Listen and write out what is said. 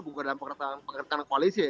bukan dalam perkerjaan koalisi ya